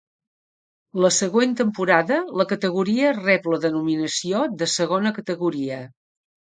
La següent temporada la categoria rep la denominació de Segona Categoria.